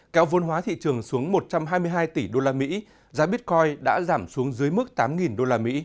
kéo vôn hóa thị trường xuống một trăm hai mươi hai tỷ usd giá bitcoin đã giảm xuống dưới mức tám usd